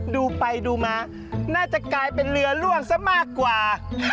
ดูไปดูมาน่าจะกลายเป็นเรือล่วงซะมากกว่า